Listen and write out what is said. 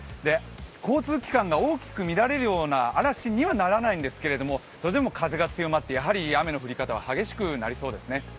交通機関が大きく乱れるような嵐にはならないんですけどそれでも風が強まってやはり雨の降り方は激しくなりそうです。